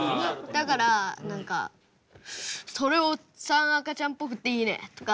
だから何か「それおっさん赤ちゃんっぽくていいね」とか。